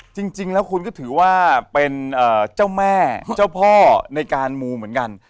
จริงแล้วคุณก็ถือว่าเป็นเจ้าแม่เจ้าพ่อในการมูเหมือนกัน